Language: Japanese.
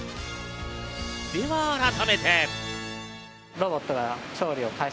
では改めて。